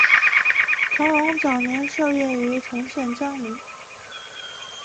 唐龙早年受业于同县章懋。